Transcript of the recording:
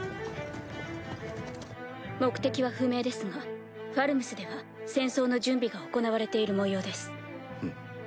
目的は不明ですがファルムスでは戦争の準備が行われているもようです。